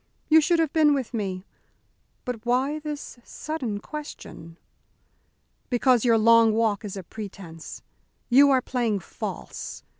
You should have been with me. But why this sudden question?" "Because your long walk is a pretence. You are playing false.